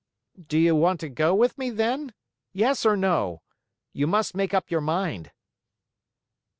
"Do you want to go with me, then? Yes or no? You must make up your mind."